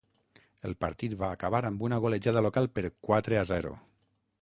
El partit va acabar amb una golejada local per quatre a zero.